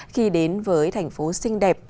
khi đến với thành phố xinh đẹp